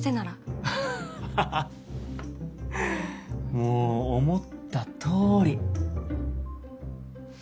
もう思ったとおり。